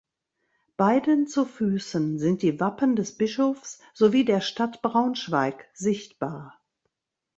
Beiden zu Füßen sind die Wappen des Bischofs sowie der Stadt Braunschweig sichtbar.